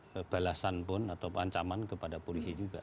kebalasan pun atau ancaman kepada polisi juga